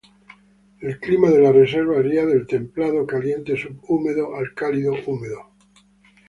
El clima de la reserva varía del templado caliente-subhúmedo al cálido húmedo.